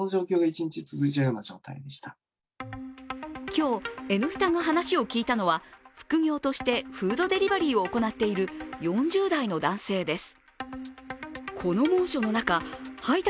今日「Ｎスタ」が話を聞いたのは副業としてフードデリバリーを行っている４０代の男性です。